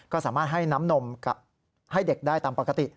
ก็สามารถให้น้ำนมให้เด็กได้ตามปกติ